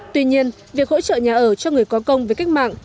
tuy nhiên việc hỗ trợ nhà ở cho người có công với cách mạng